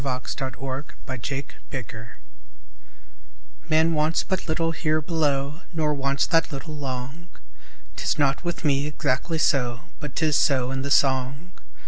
John Quincy Adams The Wants of Man "MAN wants but little here below, Nor wants that little long." 'Tis not with me exactly so; But 'tis so in the song.